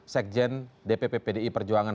sekjen dpp pdi perjuangan